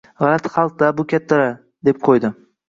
«G‘alati xalq-da, bu kattalar», deb qo‘ydi